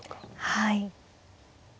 はい。